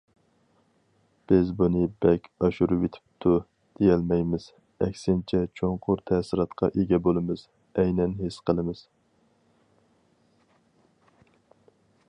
بىز بۇنى بەك ئاشۇرۇۋېتىپتۇ دېيەلمەيمىز، ئەكسىنچە چوڭقۇر تەسىراتقا ئىگە بولىمىز، ئەينەن ھېس قىلىمىز.